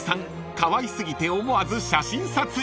かわい過ぎて思わず写真撮影］